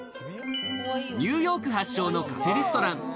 ニューヨーク発祥のカフェレストラン。